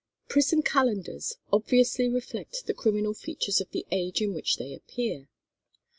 Prison calendars obviously reflect the criminal features of the age in which they appear.